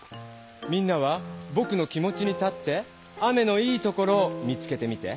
みんなはぼくの気持ちに立って雨の「いいところ」を見つけてみて。